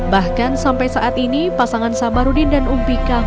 bahkan sampai saat ini pasangan sabarudin dan umpikah